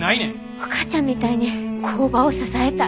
お母ちゃんみたいに工場を支えたい。